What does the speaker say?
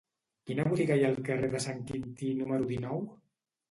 Quina botiga hi ha al carrer de Sant Quintí número dinou?